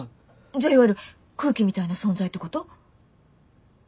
じゃあいわゆる空気みたいな存在ってこと？